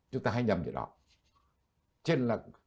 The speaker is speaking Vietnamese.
chúng ta hay nhầm điều đó